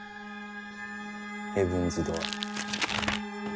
ヘブンズ・ドアー。